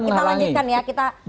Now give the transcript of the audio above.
sebentar kita lanjutkan